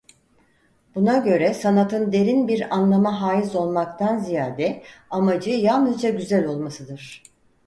Buna göre sanatın derin bir anlama haiz olmaktan ziyade amacı yalnızca güzel olmasıdır.